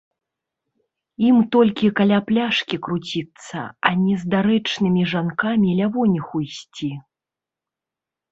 Ім толькі каля пляшкі круціцца, а не з дарэчнымі жанкамі лявоніху ісці.